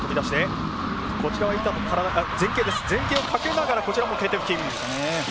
前傾をかけながらこちらもＫ点付近。